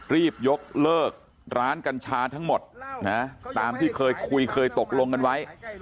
รีบยกเลิกร้านกัญชาทั้งหมดตามที่เคยคุยเคยตกลงกันไว้